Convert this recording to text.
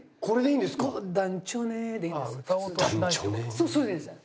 そうそれでいいんです。